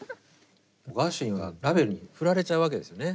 ガーシュウィンはラヴェルに振られちゃうわけですよね。